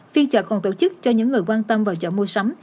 phiên chợ còn tổ chức cho những người quan tâm vào chợ mua sắm